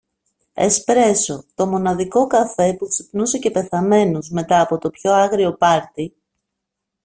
Εσπρέσο, το μοναδικό καφέ που ξυπνούσε και πεθαμένους μετά από το πιο άγριο πάρτι